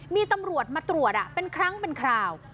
มีตำรวจมาตรวจเป็นครั้งเป็นคราว